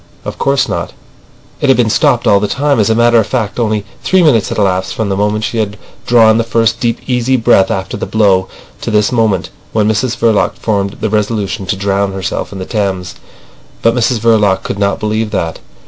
Of course not. It had been stopped all the time. As a matter of fact, only three minutes had elapsed from the moment she had drawn the first deep, easy breath after the blow, to this moment when Mrs Verloc formed the resolution to drown herself in the Thames. But Mrs Verloc could not believe that.